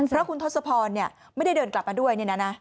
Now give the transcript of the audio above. เพราะคุณทศพรไม่ได้เดินกลับมาด้วย